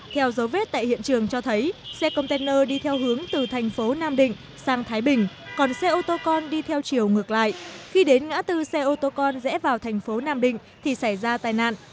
theo dấu vết tại hiện trường cho thấy xe container đi theo hướng từ thành phố nam định sang thái bình còn xe autocon đi theo chiều ngược lại khi đến ngã tư xe autocon rẽ vào thành phố nam định thì xảy ra tai nạn